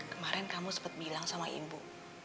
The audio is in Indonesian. kemarin kamu sempat bilang sama ibu